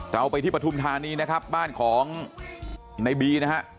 เราไปที่ปฐุมธานีนะครับบ้านของในบีนะฮะ